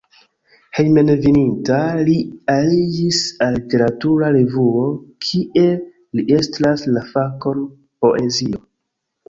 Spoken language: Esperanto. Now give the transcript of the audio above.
Hejmenveninta li aliĝis al literatura revuo, kie li estras la fakon poezio.